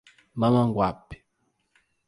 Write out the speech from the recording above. Mamanguape